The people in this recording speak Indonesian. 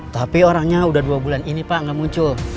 tapi orangnya udah dua bulan ini pak nggak muncul